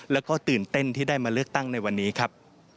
แล้วก็ตื่นเต้นที่ได้มาเลือกตั้งในวันนี้ครับ